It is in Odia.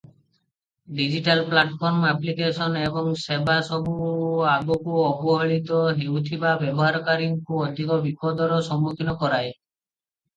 ଡିଜିଟାଲ ପ୍ଲାଟଫର୍ମ, ଆପ୍ଲିକେସନ ଏବଂ ସେବାସବୁ ଆଗରୁ ଅବହେଳିତ ହେଉଥିବା ବ୍ୟବହାରକାରୀଙ୍କୁ ଅଧିକ ବିପଦର ସମ୍ମୁଖୀନ କରାଏ ।